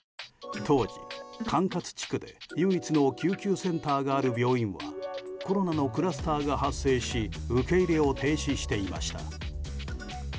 当時、管轄地区で唯一の救急センターがある病院はコロナのクラスターが発生し受け入れを停止していました。